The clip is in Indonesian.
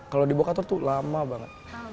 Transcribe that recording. kalau di bokator tuh lama banget